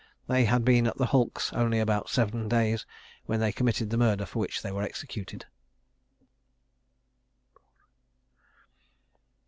They had been at the hulks only about seven days, when they committed the murder for which they were executed.